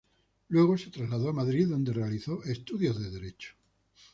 Luego se trasladó a Madrid donde realizó estudios de derecho.